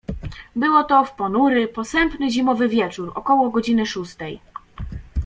"Było to w ponury, posępny zimowy wieczór około godziny szóstej."